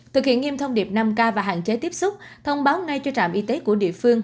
thực hiện nghiêm thông điệp năm k và hạn chế tiếp xúc thông báo ngay cho trạm y tế của địa phương